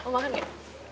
mau makan gak